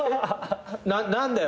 「何だよ！」